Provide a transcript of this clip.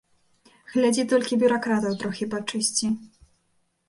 Глядзі толькі бюракратаў трохі пачысці.